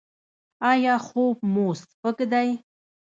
ایا خوب مو سپک دی؟